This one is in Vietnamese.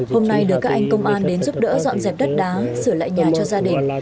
hôm nay được các anh công an đến giúp đỡ dọn dẹp đất đá sửa lại nhà cho gia đình